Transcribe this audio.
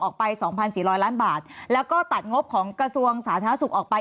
ออกไป๒๔๐๐ล้านบาทแล้วก็ตัดงบของกระทรวงสาธารณสุขออกไป